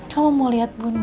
kamu mau liat bunda